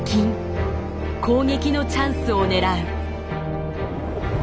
攻撃のチャンスを狙う。